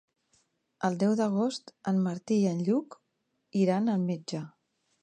El deu d'agost en Martí i en Lluc iran al metge.